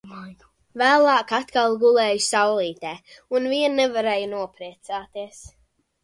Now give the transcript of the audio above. Vēlāk atkal gulēju saulītē un vien nevarēju nopriecāties.